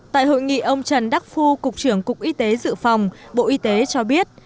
tại hội nghị ông trần đắc phu cục trưởng cục y tế dự phòng bộ y tế cho biết